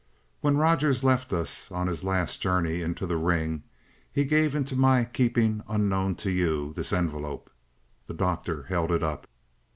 "When Rogers left us on his last journey into the ring, he gave into my keeping, unknown to you, this envelope." The Doctor held it up.